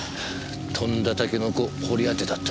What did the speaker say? とんだタケノコ掘り当てたってわけか。